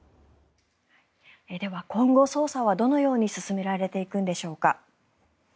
では、今後捜査はどのように進められていくんでしょうか。